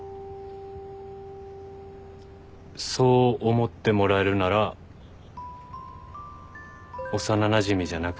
そう思ってもらえるなら幼なじみじゃなくてよかったのかも。